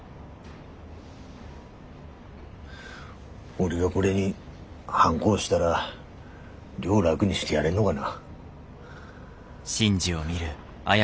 俺がこれにハンコ押したら亮楽にしてやれんのがな。